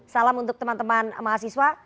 salam untuk teman teman mahasiswa